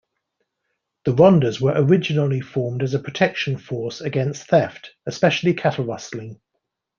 The rondas were originally formed as a protection force against theft, especially cattle rustling.